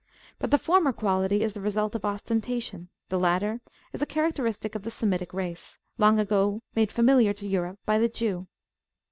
But the former quality is the result of ostentation, the latter is a characteristic of the Semitic race, long ago made familiar to Europe by the Jew.